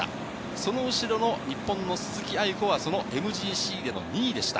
その後ろの日本の鈴木亜由子は、そのＭＧＣでの２位でした。